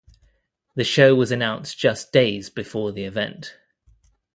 The show was announced just days before the event.